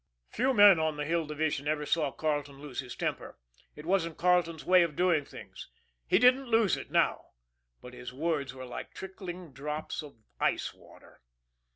Few men on the Hill Division ever saw Carleton lose his temper it wasn't Carleton's way of doing things. He didn't lose it now, but his words were like trickling drops of ice water.